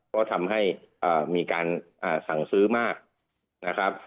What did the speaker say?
ก็ทำให้มีการสั่งซื้อมากนะครับ